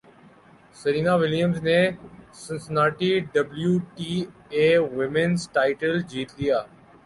Serena Williams نے Cincinnati W T A women's title جیت لیا